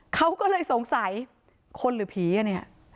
เขาก็เลยสงสัยคนหรือผีอ่ะเนี่ย